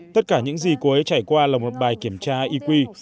tất cả những gì cô ấy trải qua là một bài kiểm tra y quy